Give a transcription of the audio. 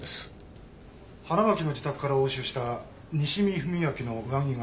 花巻の自宅から押収した西見文明の上着がこれです。